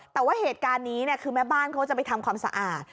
แต่ว่าเหตุการณ์นี้คือแม่บ้านเขาจะไปทำความสะอาด